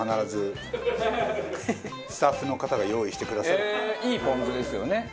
いいポン酢ですよね。